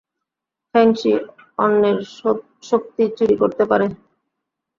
ফেংশি অন্যের শক্তি চুরি করতে পারে।